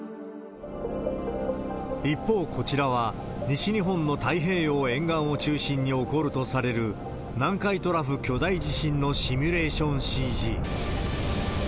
一方、こちらは西日本の太平洋沿岸を中心に起こるとされる南海トラフ巨大地震のシミュレーションＣＧ。